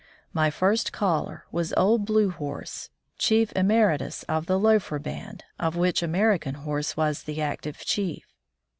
My first caller was old Blue Horse, chief emeritus of the Loafer band, of which American Horse was the active chief.